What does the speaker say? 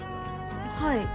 はい。